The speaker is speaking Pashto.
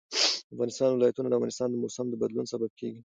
د افغانستان ولايتونه د افغانستان د موسم د بدلون سبب کېږي.